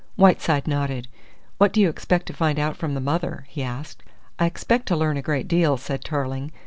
Whiteside nodded. "What do you expect to find out from the mother?" he asked. "I expect to learn a great deal," said Tarling.